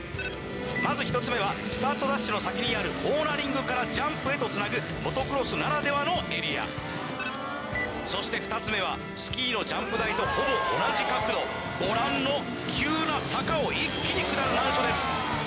まず１つ目はスタートダッシュの先にあるコーナリングからジャンプへとつなぐモトクロスならではのエリアそして２つ目はスキーのジャンプ台とほぼ同じ角度ご覧の急な坂を一気に下る難所です